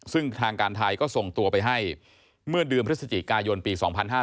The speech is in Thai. ซึ่งทางการไทยก็ส่งตัวไปให้เมื่อเดือนพฤศจิกายนปี๒๕๕๙